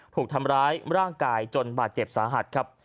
ถูกทำร้ายร่างกายจนบาดเจ็บสาหัสครับ